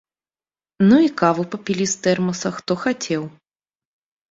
Ну і кавы папілі з тэрмаса, хто хацеў.